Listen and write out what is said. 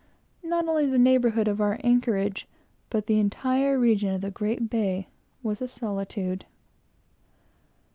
Not only the neighborhood of our anchorage, but the entire region of the great bay, was a solitude.